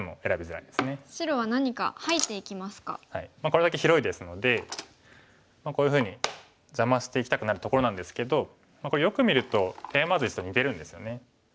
これだけ広いですのでこういうふうに邪魔していきたくなるところなんですけどこれよく見るとテーマ図１と似てるんですよね。